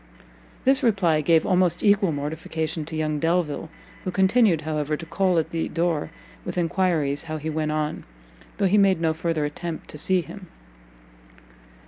This reply gave almost equal mortification to young Delvile, who continued, however, to call at the door with enquiries how he went on, though he made no further attempt to see him.